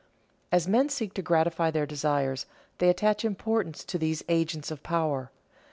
As men seek to gratify their desires, they attach importance to these agents of power.